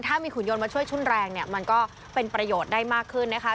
ถ้ามีขุนยนต์มาช่วยชุ่นแรงเนี่ยมันก็เป็นประโยชน์ได้มากขึ้นนะคะ